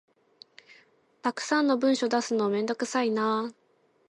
たくさんの文書出すのめんどくさいな